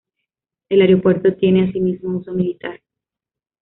El aeropuerto tiene asimismo uso militar.